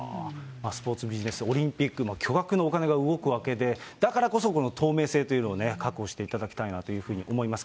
スポーツビジネス、オリンピックも巨額のお金が動くわけで、だからこそ透明性というのを確保していただきたいなというふうに思います。